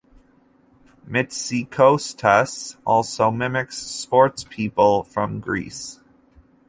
Mitsikostas also mimics sports people from Greece.